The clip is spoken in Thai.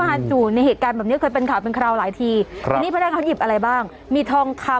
อ่ะพนักงานก็โกออกมาแบบนี้ครับคุณผู้ชม